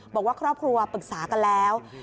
บอกว่าครอบครัวปรึกษากันแล้ว